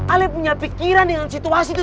alih punya pikiran dengan situasi itu